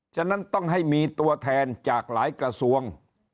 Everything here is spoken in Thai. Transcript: ฉะนั้นต้องให้มีตัวแทนจากหลายกระทรวง